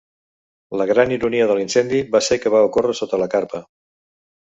La gran ironia de l'incendi va ser que va ocórrer sota la carpa.